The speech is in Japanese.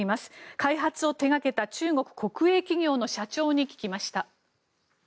開発を手掛けた中国国営企業の社長に聞きました。